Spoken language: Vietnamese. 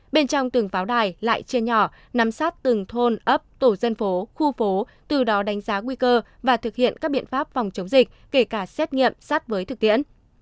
bên trong từng pháo đài lại trên nhỏ nắm sát từng thôn ấp tổ dân phố khu phố từ đó đánh giá nguy cơ và thực hiện các biện pháp phòng chống dịch kể cả xét nghiệm sát với thực tiễn